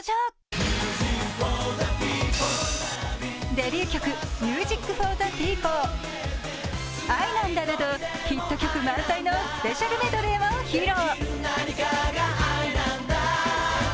デビュー曲「ＭＵＳＩＣＦＯＲＴＨＥＰＥＯＰＬＥ」、「愛なんだ」などヒット曲満載のスペシャルメドレーを披露。